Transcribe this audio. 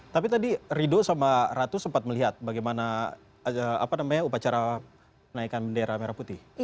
tapi tadi rido sama ratu sempat melihat bagaimana upacara naikkan bendera merah putih